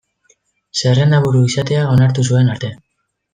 Zerrendaburu izatea onartu zuen arte.